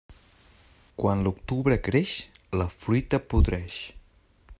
Quan l'octubre creix, la fruita podreix.